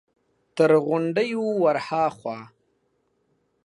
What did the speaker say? تر غونډيو ور هاخوا!